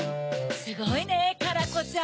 すごいねカラコちゃん。